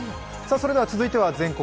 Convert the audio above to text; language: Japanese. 続いては「全国！